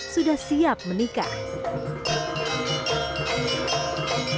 sudah siap menikah